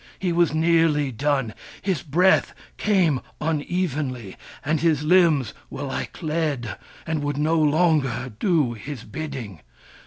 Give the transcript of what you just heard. He was nearly done— his breath came unevenly, and his limbs were like lead, and would no longer do his bidding.